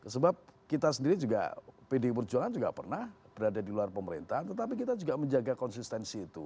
sebab kita sendiri juga pdi perjuangan juga pernah berada di luar pemerintahan tetapi kita juga menjaga konsistensi itu